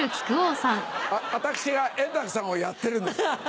私が円楽さんをやってるんです。